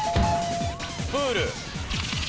プール。